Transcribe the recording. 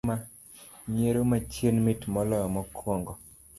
Nyiero ma chien mit moloyo mokuongo